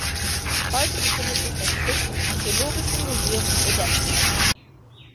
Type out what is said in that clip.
Heute befindet sich das Stück im Archäologischen Museum in Odessa.